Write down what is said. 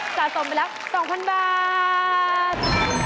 สะสมไปแล้ว๒๐๐๐บาท